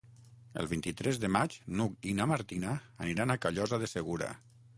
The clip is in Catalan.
El vint-i-tres de maig n'Hug i na Martina aniran a Callosa de Segura.